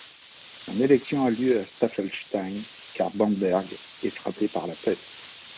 Son élection a lieu à Staffelstein, car Bamberg est frappé par la peste.